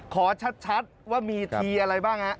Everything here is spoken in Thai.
ขอชัดว่ามีทีอะไรบ้างฮะ